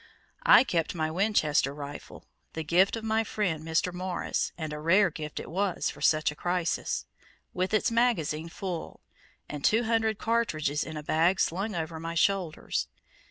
I kept my Winchester rifle (the gift of my friend Mr. Morris, and a rare gift it was for such a crisis) with its magazine full, and two hundred cartridges in a bag slung over my shoulders.